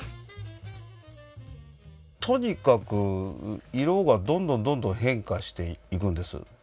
とにかく色がどんどんどんどん変化しているんです。